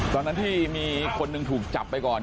ตอนนั้นที่มีคนหนึ่งถูกจับไปก่อน